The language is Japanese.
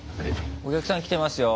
お客さん来てますよ。